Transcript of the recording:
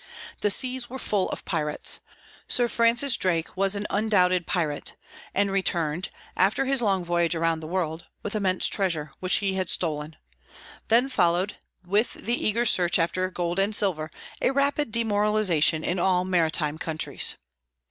The seas were full of pirates. Sir Francis Drake was an undoubted pirate, and returned, after his long voyage around the world, with immense treasure, which he had stolen. Then followed, with the eager search after gold and silver, a rapid demoralization in all maritime countries.